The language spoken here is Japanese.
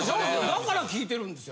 だから聞いてるんですよ。